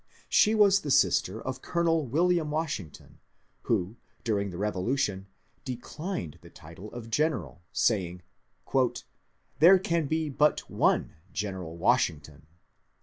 She was the sister of Colonel William Washington, who during the Bevolution declined the title of General, saying, ^^ There can be but one General Washington."